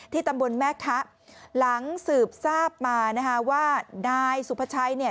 ตำบลแม่คะหลังสืบทราบมานะคะว่านายสุภาชัยเนี่ย